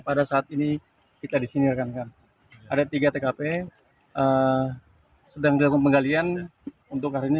pada saat ini kita disini rekan rekan ada tiga tkp sedang dilakukan penggalian untuk hari ini